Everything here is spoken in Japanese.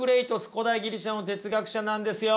古代ギリシャの哲学者なんですよ。